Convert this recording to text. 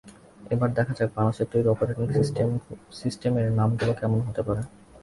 এবার দেখা যাক, বাংলাদেশের তৈরি অপারেটিং সিস্টেমের নামগুলো কেমন হতে পারে।